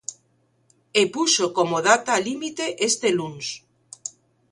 E puxo como data límite este luns.